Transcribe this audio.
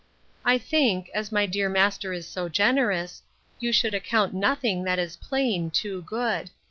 I think, as my dear master is so generous, you should account nothing that is plain, too good.